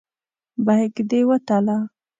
بیک دې وتله.